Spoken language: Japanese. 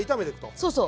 そうそう。